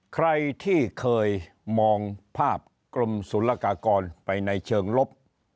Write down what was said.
ใครที่เคยมองภาพกรมศุลกากรไปในเชิงลบ